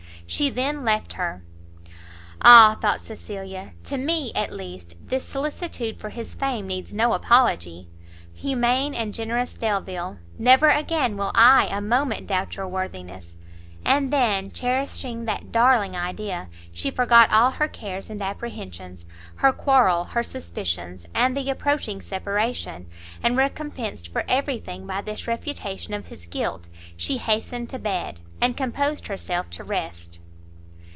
She then left her. "Ah!" thought Cecilia, "to me, at least, this solicitude for his fame needs no apology! humane and generous Delvile! never, again, will I a moment doubt your worthiness!" And then, cherishing that darling idea, she forgot all her cares and apprehensions, her quarrel, her suspicions, and the approaching separation, and, recompensed for every thing by this refutation of his guilt, she hastened to bed, and composed herself to rest.